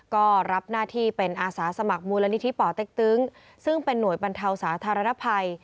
ก็รับหน้าที่เป็นอาสาสมัครมูลนิธิป่อเต็กตึงซึ่งเป็นหน่วยบรรเทาสาธารณภัย